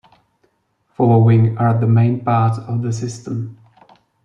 Following are the main parts of the system.